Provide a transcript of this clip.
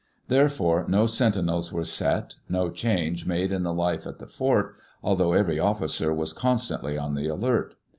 Therefore no sentinels were set, no change made in the life at the fort, although every officer was constantly on the alert.